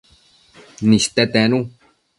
niste tenu